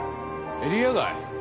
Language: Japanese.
エリア外？